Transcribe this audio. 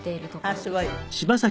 あっすごい。